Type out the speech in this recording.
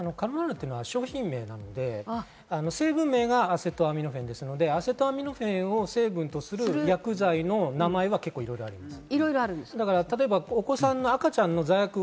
商品名なので、成分名がアセトアミノフェンですのでアセトアミノフェンを成分とする薬剤の名前は結構いろいろあります。